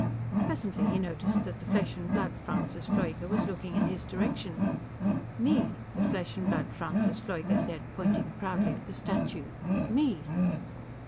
Presently he noticed that the flesh and blood Francis Pfleuger was looking in his direction. "Me," the flesh and blood Francis Pfleuger said, pointing proudly at the statue. "Me."